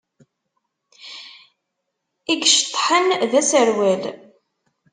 I iceṭṭḥen d aserwal.